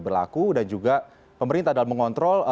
berlaku dan juga pemerintah dalam mengontrol